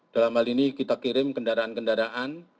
dalam hal ini kita kirim kendaraan kendaraan